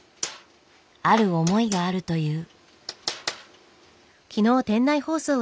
ある思いがあるという。